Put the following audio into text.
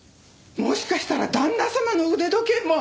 もしかしたら旦那様の腕時計も！